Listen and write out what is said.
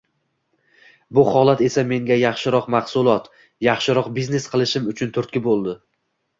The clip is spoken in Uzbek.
Bu holat esa menga yaxshiroq mahsulot, yaxshiroq biznes qilishim uchun turtki boʻldi.